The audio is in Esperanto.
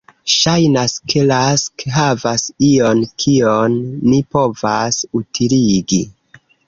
Ŝajnas ke Rask havas ion kion ni povas utiligi.